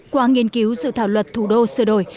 qua nghiên cứu dự thảo luật thủ đô sửa đổi